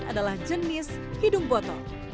adalah jenis hidung botol